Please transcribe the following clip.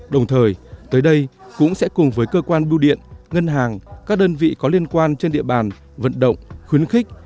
đồng thời tới đây cũng sẽ cùng với cơ quan bưu điện ngân hàng các đơn vị có liên quan trên địa bàn vận động khuyến khích